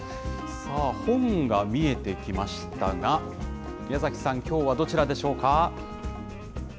さあ、本が見えてきましたが、宮崎さん、きょうはどちらでしょうか。